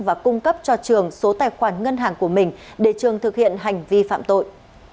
công an đã cung cấp cho trường số tài khoản ngân hàng của mình để trường thực hiện hành vi phạm tội